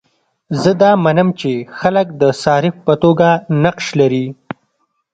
زه دا منم چې خلک د صارف په توګه نقش لري.